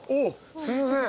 すいません。